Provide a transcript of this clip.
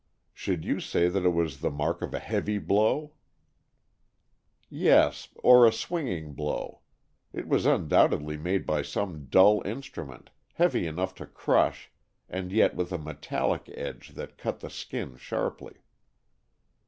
"Should you say that it was the mark of a heavy blow?" "Yes, or a swinging blow. It was undoubtedly made by some dull instrument, heavy enough to crush, and yet with a metallic edge that cut the skin sharply."